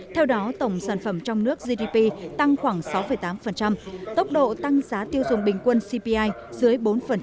theo đó tổng sản phẩm trong nước gdp tăng khoảng sáu tám tốc độ tăng giá tiêu dùng bình quân cpi dưới bốn